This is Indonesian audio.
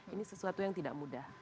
ini sesuatu yang tidak mudah